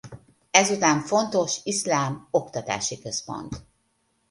Ezután fontos iszlám oktatási központ.